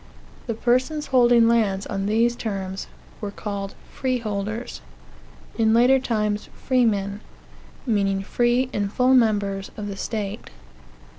The persons holding lands on these terms were called freeholders in later times freemen meaning free and full members of the state.